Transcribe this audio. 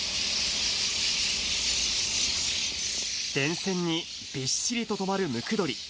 電線にびっしりと止まるムクドリ。